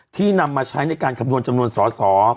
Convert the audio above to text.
นำมาใช้ในการคำนวณจำนวนสอสอ